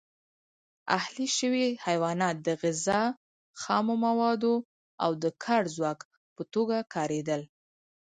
اهلي شوي حیوانات د غذا، خامو موادو او د کار ځواک په توګه کارېدل.